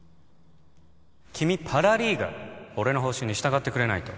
君パラリーガル俺の方針に従ってくれないと